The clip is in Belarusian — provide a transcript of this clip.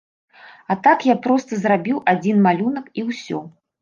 А так я проста зрабіў адзін малюнак і ўсё.